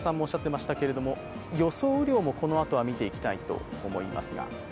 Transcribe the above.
予想雨量もこのあとは見ていきたいと思います。